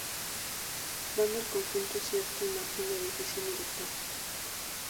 Dando el conjunto cierta imagen de edificio militar.